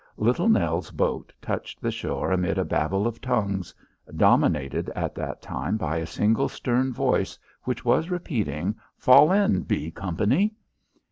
Little Nell's boat touched the shore amid a babble of tongues, dominated at that time by a single stern voice, which was repeating, "Fall in, B Company!"